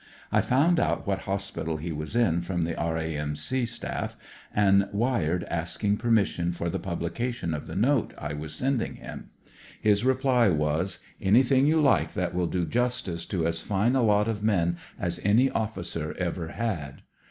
I found out what hospital he was in from the R.A.M.C. staff, and wired asking permission for 70 CLOSE QUARTERS the publication of the note I was sendmg him. His reply was: "Anything you like that wiU do justice to as fine a lot of men as any officer ever had."